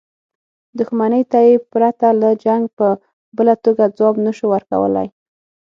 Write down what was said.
دښمنۍ ته یې پرته له جنګه په بله توګه ځواب نه شو ورکولای.